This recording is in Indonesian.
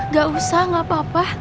gak usah gak apa apa